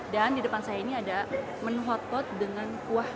dan di depan saya ini ada menu hotpot dengan kuah